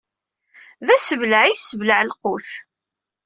D asebleɛ i yesseblaɛ lqut!